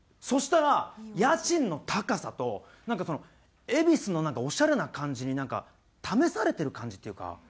そしたら家賃の高さとなんかその恵比寿のオシャレな感じになんか試されてる感じっていうか。